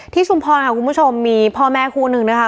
ชุมพรค่ะคุณผู้ชมมีพ่อแม่คู่นึงนะคะ